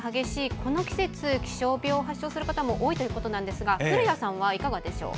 この季節気象病を発症する方も多いということですが古谷さんはいかがでしょう。